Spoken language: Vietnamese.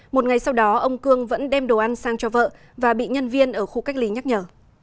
một ngày sau đó ông cương vẫn đem đồ ăn sang cho vợ và bị nhân viên ở khu cách ly nhắc nhở